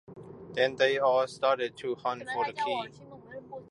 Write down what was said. Then they all started to hunt for the key.